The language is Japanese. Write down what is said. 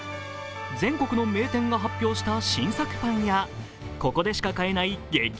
全国の名店が発表した新作パンやここでしか買えない激